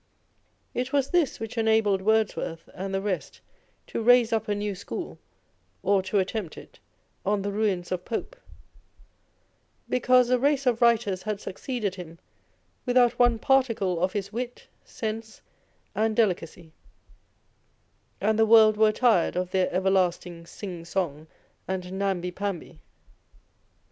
It was this which enabled Words worth and the rest to raise up a new school (or to attempt it) on the ruins of Pope ; because a race of writers had succeeded him without one particle of his wit, sense, and delicacy, and the world were tired of their everlasting sing song and namby pamby.